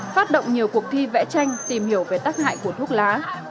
phát động nhiều cuộc thi vẽ tranh tìm hiểu về tác hại của thuốc lá